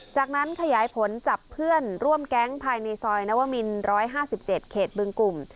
จากนั้นขยายผลจับเพื่อนร่วมแก๊งภายในซอยนวมิน๑๕๗เขตบึงกลุ่ม